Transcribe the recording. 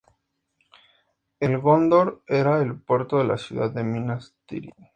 El de Gondor era el puerto de la ciudad de Minas Tirith.